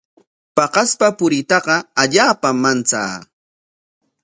Paqaspa puriytaqa allaapam manchaa.